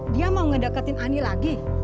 dia mau ngedeketin ani lagi